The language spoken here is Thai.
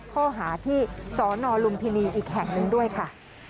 ข้อหาที่สนลุมพินีอีกแห่งหนึ่งด้วยค่ะ